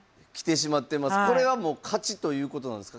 これはもう勝ちということなんですか？